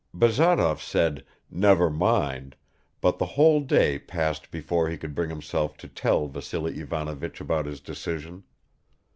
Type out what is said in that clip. Bazarov said, "Never mind," but the whole day passed before he could bring himself to tell Vassily Ivanovich about his decision.